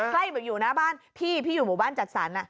เหมือนอยู่หน้าบ้านพี่พี่อยู่หมู่บ้านจัดสรร